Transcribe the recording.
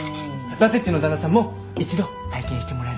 伊達っちの旦那さんも一度体験してもらえれば。